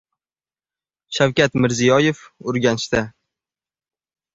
Shavkat Mirziyoyev Urganchda.